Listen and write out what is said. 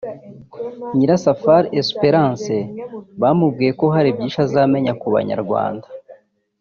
Nyirasafari Esperence bamubwiye ko hari byinshi azamenya ku Banyarwanda